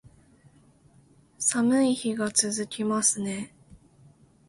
寒い日が続きますね